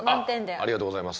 ありがとうございます。